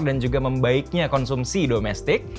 dan juga membaiknya konsumsi domestik